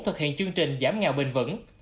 thực hiện chương trình giảm nghèo bền vững